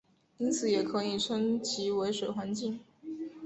因此也可以称其为水环境。